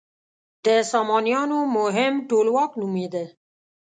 د سامانیانو مهم ټولواک نومېده.